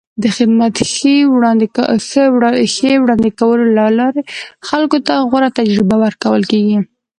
د خدمت ښې وړاندې کولو له لارې خلکو ته غوره تجربه ورکول کېږي.